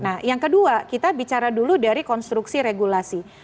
nah yang kedua kita bicara dulu dari konstruksi regulasi